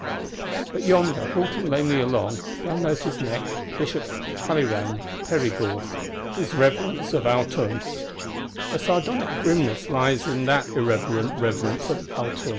But yonder, halting lamely along, thou noticest next Bishop Talleyrand Perigord, his Reverence of Autun. A sardonic grimness lies in that irreverent Reverence of Autun.